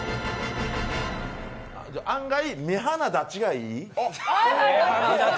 案外、目鼻立ちがいい？